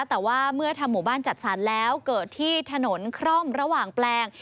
แต่ว่าเมื่อทำหมู่บ้านจัดสรรแล้วเกิดที่ถนนคร่อมระหว่างแปลง